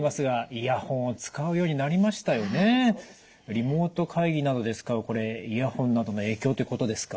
リモート会議などで使うこれイヤホンなどの影響っていうことですか。